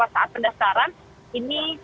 saat pendasaran ini